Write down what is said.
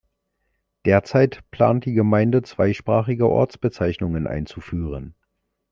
Derzeit plant die Gemeinde zweisprachige Ortsbezeichnungen einzuführen.